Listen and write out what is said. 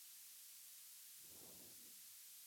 Es característico de la zona el Cementerio del Cerro.